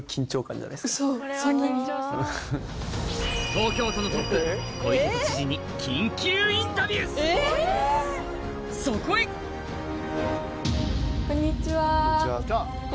東京都のトップ小池都知事に緊急インタビューそこへこんにちははじめまして。